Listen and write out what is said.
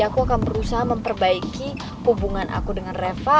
aku akan berusaha memperbaiki hubungan aku dengan reva